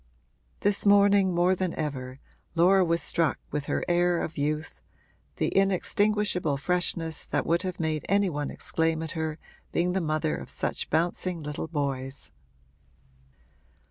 This morning, more than ever, Laura was struck with her air of youth, the inextinguishable freshness that would have made any one exclaim at her being the mother of such bouncing little boys.